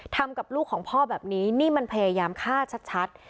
ทำกับลูกของพ่อแบบนี้นี่มันพยายามฆ่าชัด